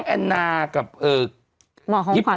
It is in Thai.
แต่หนูจะเอากับน้องเขามาแต่ว่า